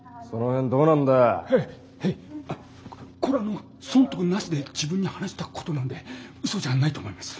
へぇこれは損得なしで自分に話したことなんでうそじゃないと思います。